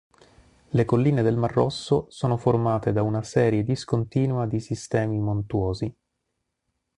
Le Colline del Mar Rosso sono formate da una serie discontinua di sistemi montuosi.